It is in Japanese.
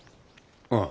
ああ。